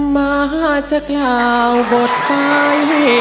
มาจากข่าวบทไฟ